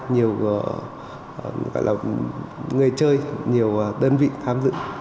nhiều người chơi nhiều đơn vị tham dự